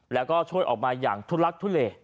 แล้วก็ช่วยออกมาอย่างทุลักทุเล